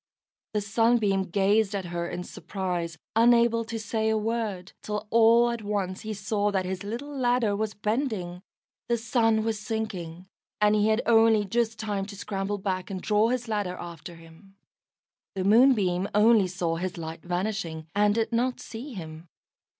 The Sunbeam gazed at her in surprise, unable to say a word, till all at once he saw that his little ladder was bending. The sun was sinking, and he had only just time to scramble back, and draw his ladder after him. The Moonbeam only saw his light vanishing, and did not see him.